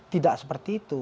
tidak seperti itu